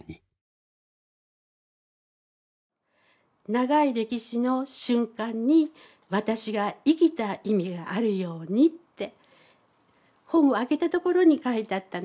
長い歴史の瞬間に私が生きた意味があるようにって本を開けたところに書いてあったんですね